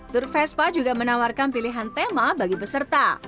tur vespa juga menawarkan pilihan tema bagi peserta